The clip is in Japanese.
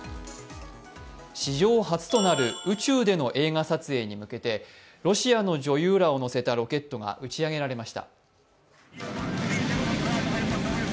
史上初となる宇宙での映画撮影に向けて、ロシアの女優らを乗せたロケットが打ち上げられました。